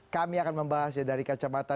kami akan membahasnya dari kacamata